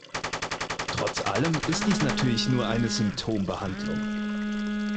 Trotz allem ist dies natürlich nur eine Symptombehandlung.